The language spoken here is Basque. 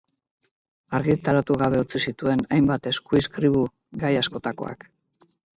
Argitaratu gabe utzi zituen hainbat eskuizkribu, gai askotakoak.